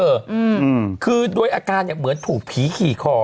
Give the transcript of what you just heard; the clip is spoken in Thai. อืมคือโดยอาการเนี้ยเหมือนถูกผีขี่คอ